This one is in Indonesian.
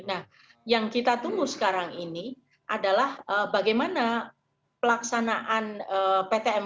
nah yang kita tunggu sekarang ini adalah bagaimana pelaksanaan ptm